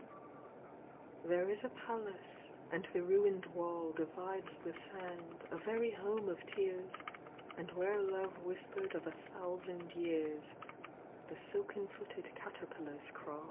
LXVIII There is a palace, and the ruined wall Divides the sand, a very home of tears, And whero love whispered of a thousand years The silken footed caterpillars crawl.